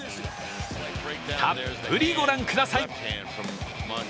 たっぷりご覧ください。